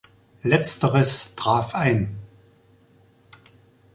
Letzteres traf ein.